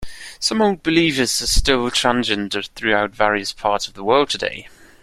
Some Old Believers are still transient throughout various parts of the world today.